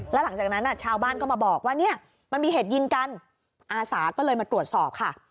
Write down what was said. แล้วหลังจากนั้นชาวบ้านก็มาบอกว่าเนี่ยมันมีเหตุยิงกันอาสาก็เลยมาตรวจสอบค่ะ